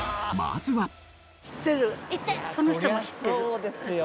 まずは。